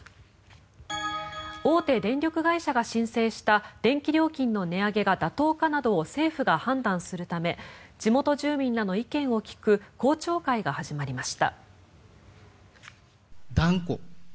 大手電力会社が申請した電気料金の値上げが妥当かなどを政府が判断するため地元住民らの意見を聞く公聴会が始まりました。